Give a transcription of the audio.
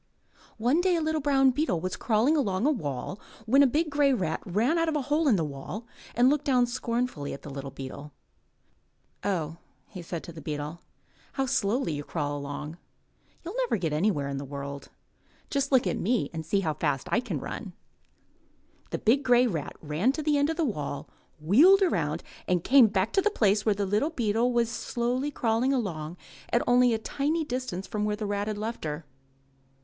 One day a little brown beetle was crawling along a wall when a big grey rat ran out of a hole in the wall and looked down scornfully at the little beetle. *'0 ho!'* he said to the beetle, how slowly you crawl along. You'll never get anywhere in the world. Just look at me and see how fast I can run." The big grey rat ran to the end of the wall, wheeled around, and came back to the place where the little beetle was slowly crawling along at only a tiny distance from where the rat had left her.